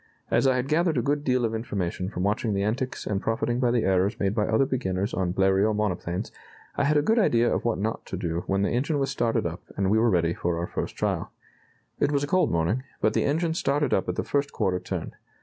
As I had gathered a good deal of information from watching the antics and profiting by the errors made by other beginners on Bleriot monoplanes, I had a good idea of what not to do when the engine was started up and we were ready for our first trial.... It was a cold morning, but the engine started up at the first quarter turn.